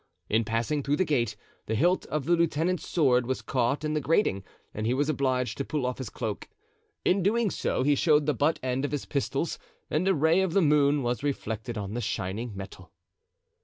In passing through the gate, the hilt of the lieutenant's sword was caught in the grating and he was obliged to pull off his cloak; in doing so he showed the butt end of his pistols and a ray of the moon was reflected on the shining metal.